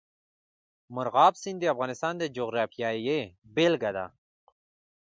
مورغاب سیند د افغانستان د جغرافیې بېلګه ده.